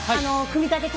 組み立て。